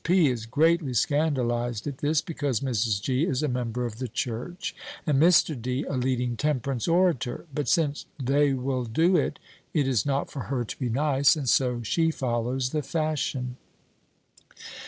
P. is greatly scandalized at this, because Mrs. G. is a member of the church, and Mr. D. a leading temperance orator; but since they will do it, it is not for her to be nice, and so she follows the fashion.